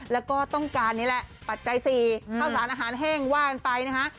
แล้วก็ต้องการนี่แหละปัจจัย๔ข้าวสารอาหารแห้งว่ากันไปนะฮะ